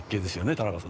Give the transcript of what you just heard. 田中さんね。